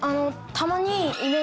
たまに。